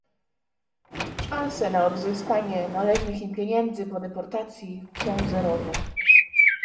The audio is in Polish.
Szanse na odzyskanie należnych im pieniędzy po deportacji są zerowe